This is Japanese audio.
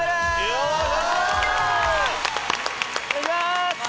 お願いします。